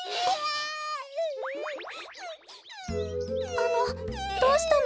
あのどうしたの？